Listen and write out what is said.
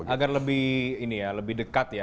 agar lebih ini ya lebih dekat ya